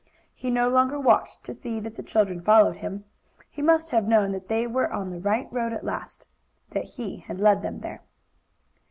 He no longer watched to see that the children followed him. He must have known that they were on the right road at last that he had led them there.